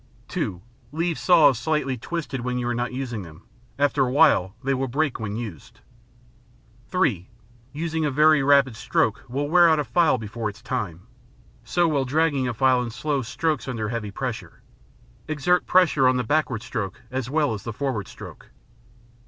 (2) Leave saws slightly twisted when you are not using them. After a while, they will break when used. (3) Using a very rapid stroke will wear out a file before its time. So will dragging a file in slow strokes under heavy pressure. Exert pressure on the backward stroke as well as the forward stroke.